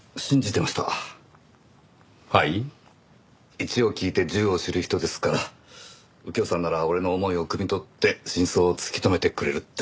一を聞いて十を知る人ですから右京さんなら俺の思いをくみ取って真相を突き止めてくれるって。